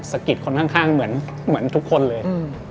สะกิดคนข้างเหมือนทุกคนเลย